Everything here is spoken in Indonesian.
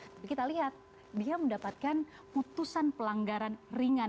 tapi kita lihat dia mendapatkan putusan pelanggaran ringan